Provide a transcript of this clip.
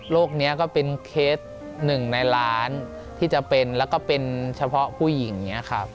นี้ก็เป็นเคสหนึ่งในล้านที่จะเป็นแล้วก็เป็นเฉพาะผู้หญิงอย่างนี้ครับ